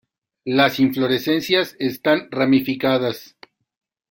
Las inflorescencias están ramificadas.